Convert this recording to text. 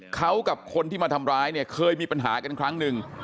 เขากับคนที่มาทำร้ายเนี่ยเคยมีปัญหากันครั้งหนึ่ง